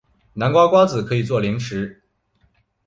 南瓜瓜子可以做零食。